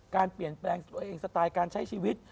การเปลี่ยนแปลงตัวเองสไตล์การใช้ชีวิต